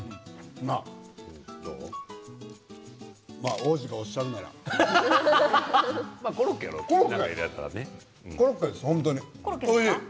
王子がおっしゃるならコロッケです。